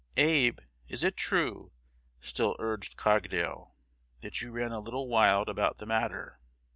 "'Abe, is it true,'" still urged Cogdale, "that you ran a little wild about the matter?'